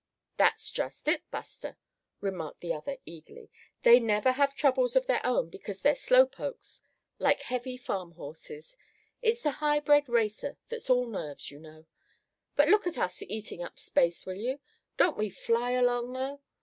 "That's just it, Buster," remarked the other eagerly, "they never have troubles of their own because they're slow pokes, like heavy farm horses. It's the highly bred racer that's all nerves, you know. But look at us eating up space, will you? Don't we fly along, though?